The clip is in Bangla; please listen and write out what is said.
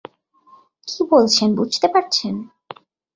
কী বলছেন বুঝতে পারছেন?